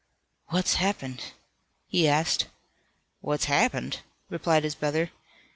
"What's happened?" he asked. "What's happened?" replied his brother.